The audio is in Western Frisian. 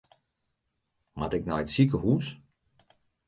Moat ik nei it sikehûs?